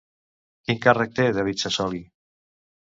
Quin càrrec té David Sassoli?